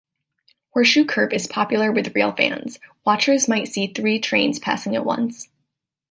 Horseshoe Curve is popular with railfans; watchers might see three trains passing at once.